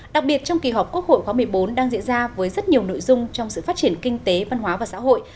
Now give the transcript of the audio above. đặc biệt trong kỳ họp quốc hội khóa một mươi bốn đang diễn ra với rất nhiều nội dung trong sự phát triển kinh tế văn hóa và xã hội